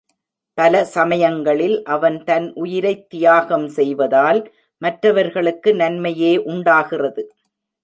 பல சமயங்களில், அவன் தன் உயிரைத் தியாகம் தெய்வதால், மற்றவர்களுக்கு நன்மையே உண்டாகிறது.